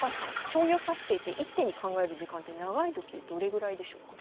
将棋を指していて１手に考える時間って長いときでどれぐらいでしょうか？